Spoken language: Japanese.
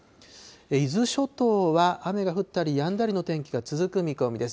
伊豆諸島は雨が降ったりやんだりの天気が続く見込みです。